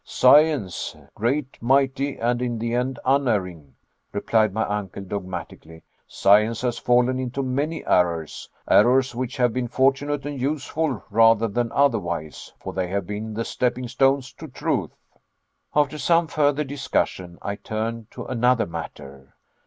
"Science, great, mighty and in the end unerring," replied my uncle dogmatically, "science has fallen into many errors errors which have been fortunate and useful rather than otherwise, for they have been the steppingstones to truth." After some further discussion, I turned to another matter.